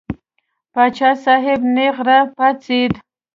پاچا صاحب نېغ را پاڅېد.